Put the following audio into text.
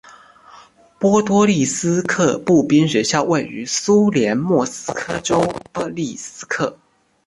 波多利斯克步兵学校位于苏联莫斯科州波多利斯克。